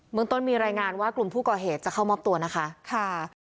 เมืองต้นมีรายงานว่ากลุ่มผู้ก่อเหตุจะเข้ามอบตัวนะคะค่ะ